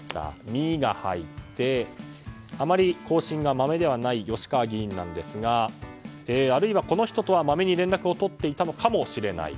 「ミ」が入ってあまり更新がまめではない吉川議員ですがあるいはこの人とはまめに連絡を取っていたのかもしれない。